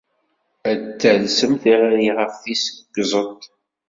Ad d-talsem tiɣri ɣef tis kuẓet.